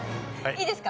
いいですか？